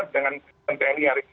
dengan tni hari ini